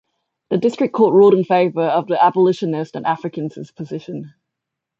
The district court ruled in favor of the abolitionist and Africans' position.